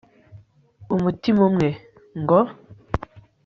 umutima umwe, ngo